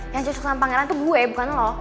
yang cocok sama pangeran itu gue bukan lo